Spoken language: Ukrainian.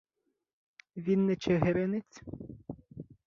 Він не чигиринець?